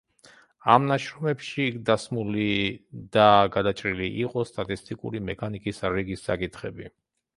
ამ ნაშრომებში დასმული და გადაჭრილი იყო სტატისტიკური მექანიკის რიგი საკითხები.